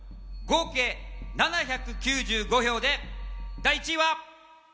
「合計７９５票で第１位は」